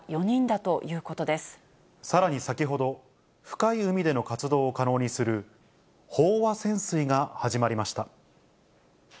さらに先ほど、深い海での活動を可能にする、飽和潜水が始まりました。